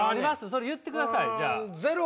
それ言ってくださいじゃあ。